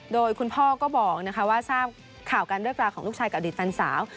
โดยคุณพ่อก็บอกว่าทราบข่าวการเลิกราของลูกชายกับอดีตแฟนสาว